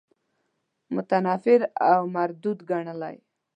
متنفر او مردود ګڼلی.